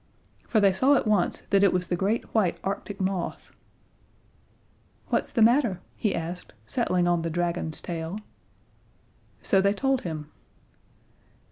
For they saw at once that it was the great white Arctic moth. "What's the matter?" he asked, settling on the dragon's tail. So they told him.